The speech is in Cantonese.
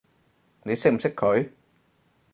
你識唔識佢？